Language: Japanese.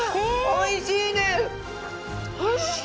おいしい。